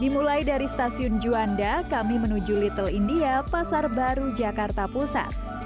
dimulai dari stasiun juanda kami menuju little india pasar baru jakarta pusat